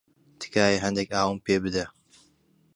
تکایە هەندێک ئاوم پێ بدە.